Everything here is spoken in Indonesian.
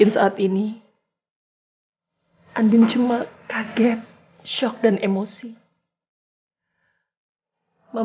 istri seutuhnya buat kamu mas